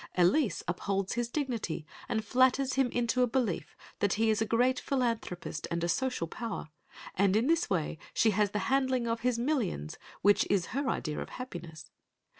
Elise upholds his dignity and flatters him into a belief that he is a great philanthropist and a social power, and in this way she has the handling of his millions, which is her idea of happiness.